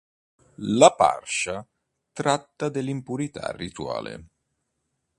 La parshah tratta dell'impurità rituale.